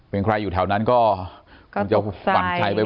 เป็นใครอยู่แถวนั้นก็คงจะหวั่นใจไป